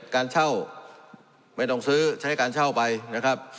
การเช่าไม่ต้องซื้อใช้การเช่าไปนะครับ